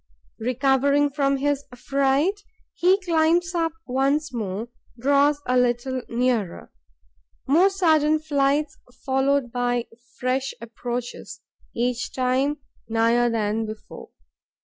Recovering from his fright, he climbs up once more, draws a little nearer. More sudden flights, followed by fresh approaches, each time nigher than before.